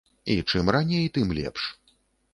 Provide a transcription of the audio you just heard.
І чым раней, тым лепш.